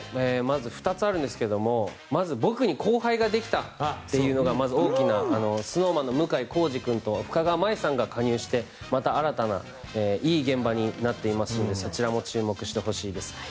まず２つあるんですけどまず、僕に後輩ができたというのがまず大きなＳｎｏｗＭａｎの向井康二君と深川麻衣さんが加入してまた新たないい現場になっていますのでそちらも注目してほしいです。